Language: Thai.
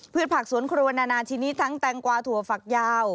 ผักสวนครัวนานาชนิดทั้งแตงกวาถั่วฝักยาว